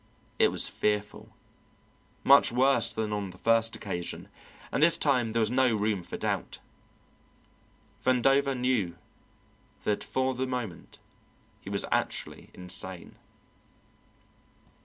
It was fearful, much worse than on the first occasion, and this time there was no room for doubt. Vandover knew that for the moment he was actually insane.